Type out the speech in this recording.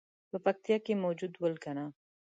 په پکتیا کې موجود ول کنه.